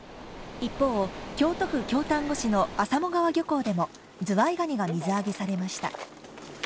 一方、京都府京丹後市の浅茂川漁港でもズワイガニが水揚げされました。